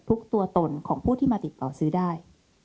ทุกตัวตนของผู้ที่มาติดต่อซื้อได้